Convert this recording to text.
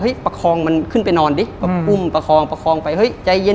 ประคองมันขึ้นไปนอนดิแบบอุ้มประคองประคองไปเฮ้ยใจเย็น